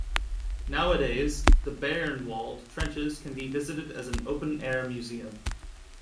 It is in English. Nowadays, the "Bayernwald" trenches can be visited as an open-air museum.